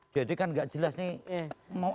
jadi kan enggak jelas nih mau apa